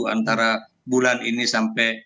antara bulan ini sampai